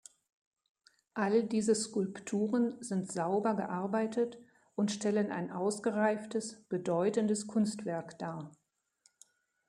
All diese Skulpturen sind sauber gearbeitet und stellen ein ausgereiftes, bedeutendes Kunstwerk dar.